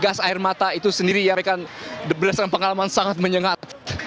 gas air mata itu sendiri yang akan berdasarkan pengalaman sangat menyengat